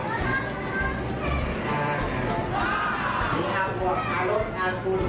อาหารหาร